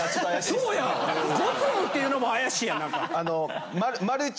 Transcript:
そうやろ５粒っていうのも怪しいやんなんか。